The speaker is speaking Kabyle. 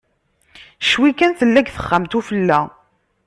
Ccwi kan tella deg texxamt ufella.